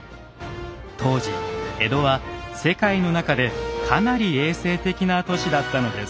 当時江戸は世界の中でかなり衛生的な都市だったのです。